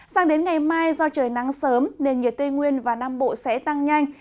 sang đến ngày mai do trời nắng sớm nền nhiệt tây nguyên và nam bộ sẽ tăng nhanh